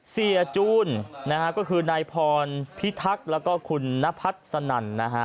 จูนนะฮะก็คือนายพรพิทักษ์แล้วก็คุณนพัฒน์สนั่นนะฮะ